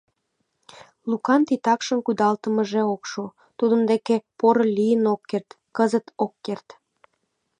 Лукан титакшым кудалтымыже ок шу, тудын деке поро лийын ок керт, кызыт ок керт.